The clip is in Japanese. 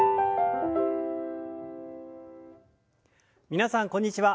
皆さんこんにちは。